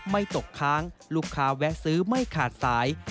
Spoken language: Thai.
ตกค้างลูกค้าแวะซื้อไม่ขาดสาย